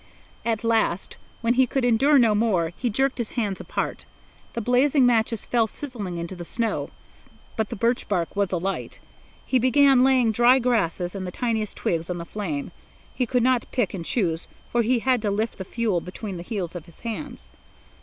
At last, when he could endure no more, he jerked his hands apart. The blazing matches fell sizzling into the snow, but the birch bark was alight. He began laying dry grasses and the tiniest twigs on the flame. He could not pick and choose, for he had to lift the fuel between the heels of his hands.